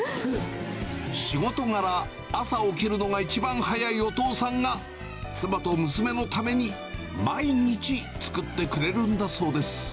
仕事柄、朝起きるのが一番早いお父さんが、妻と娘のために毎日作ってくれるんだそうです。